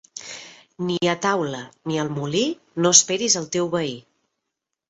Ni a taula ni al molí no esperis al teu veí.